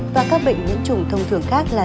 và các bệnh những chủng thông thường khác là